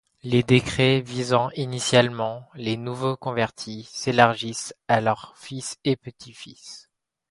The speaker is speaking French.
Les décrets, visant initialement les nouveaux convertis s'élargirent à leurs fils et petit-fils.